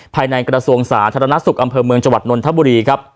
ภายในกระทรวงศาสตร์ทรนัสศุกร์อำเภอเมืองจวัดนทบุรี